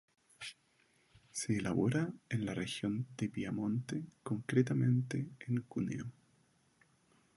Se elabora en la región de Piamonte, concretamente en Cuneo.